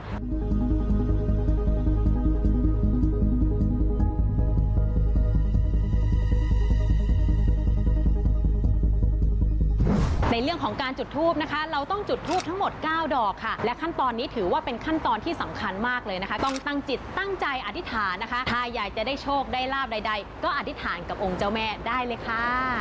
ในเรื่องของการจุดทูปนะคะเราต้องจุดทูปทั้งหมดเก้าดอกค่ะและขั้นตอนนี้ถือว่าเป็นขั้นตอนที่สำคัญมากเลยนะคะต้องตั้งจิตตั้งใจอธิษฐานนะคะถ้าอยากจะได้โชคได้ลาบใดก็อธิษฐานกับองค์เจ้าแม่ได้เลยค่ะ